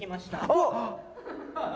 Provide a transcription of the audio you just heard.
あっ！